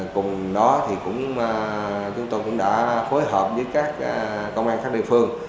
cùng đó thì cũng chúng tôi cũng đã phối hợp với các công an khác địa phương